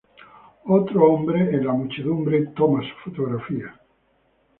Otro hombre en la muchedumbre toma su fotografía.